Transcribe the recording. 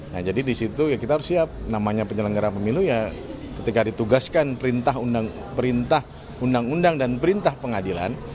nah jadi di situ ya kita harus siap namanya penyelenggara pemilu ya ketika ditugaskan perintah undang undang dan perintah pengadilan